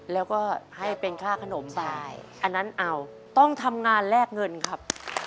แล้วก็ให้เป็นค่าขนมไปอันนั้นเอาต้องทำงานแลกเงินครับ